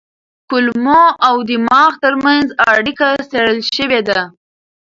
کولمو او دماغ ترمنځ اړیکه څېړل شوې ده.